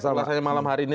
terima kasih malam hari ini